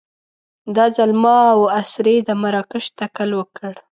دا ځل ما او اسرې د مراکش تکل وکړ.